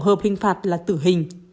hợp hình phạt là tử hình